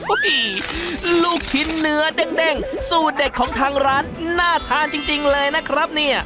โอ้โหลูกชิ้นเนื้อเด้งสูตรเด็ดของทางร้านน่าทานจริงเลยนะครับเนี่ย